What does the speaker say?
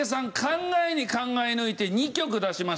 考えに考え抜いて２曲出しました。